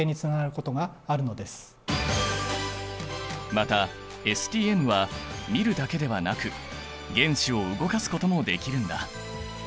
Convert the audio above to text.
またＳＴＭは見るだけではなく原子を動かすこともできるんだ。